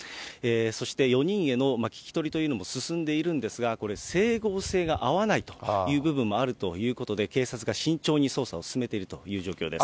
そして４人への聞き取りというのも進んでいるんですが、これ、整合性が合わないという部分もあるということで、警察が慎重に捜査を進めているという状況です。